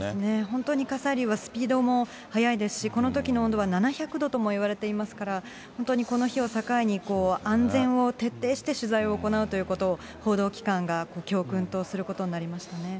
本当に火砕流はスピードも速いですし、このときの温度は７００度ともいわれていますから、本当にこの日を境に、安全を徹底して取材を行うということを、報道機関が教訓とすることになりましたね。